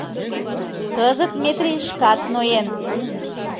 Кызыт Метрий шкат ноен.